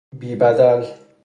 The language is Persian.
بی بدل